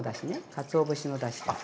かつお節のだしです。